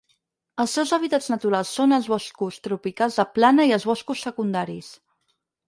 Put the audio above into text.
Els seus hàbitats naturals són els boscos tropicals de plana i els boscos secundaris.